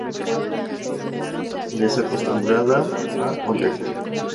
Desacostumbrada a olerte